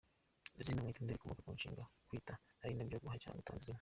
Izina Mwitende rikomoka ku nshinga ‘kwita’ ari byo guha cyangwa gutanga izina.